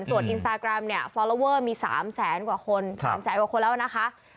ส่วนอินสตาแกรมเนี่ยฟอลลอเวอร์มี๓แสนกว่าคน๓แสนกว่าคนแล้วนะคะ